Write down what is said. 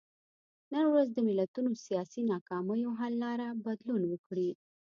نن ورځ د ملتونو سیاسي ناکامیو حل لاره بدلون وکړي.